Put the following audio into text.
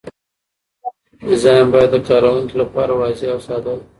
ډیزاین باید د کاروونکي لپاره واضح او ساده وي.